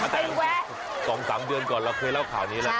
แต่จริง๒๓เดือนก่อนเราเคยเล่าข่าวนี้แล้ว